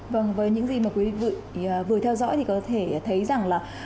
vâng với những gì mà quý vị vừa theo dõi thì có thể thấy rằng là